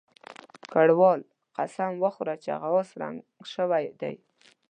کراول قسم وخوړ چې هغه اس رنګ شوی دی.